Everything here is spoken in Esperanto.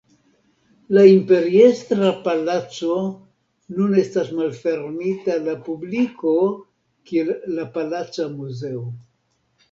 La Imperiestra Palaco nun estas malfermita al la publiko kiel la Palaca Muzeo.